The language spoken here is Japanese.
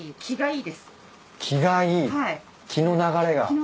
気の流れが？